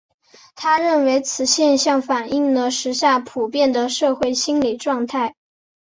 他认为此现象反映了时下普遍的社会心理状态。